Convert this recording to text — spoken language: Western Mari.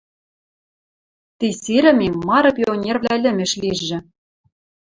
Ти сирӹмем мары пионервлӓ лӹмеш лижӹ.